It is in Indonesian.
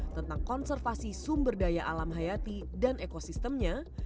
tentang konservasi sumber daya alam hayati dan ekosistemnya